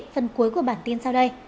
phần cuối của bản tin sau đây